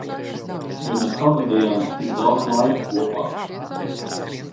Jo mēs pavadījām tik daudz laika kopā.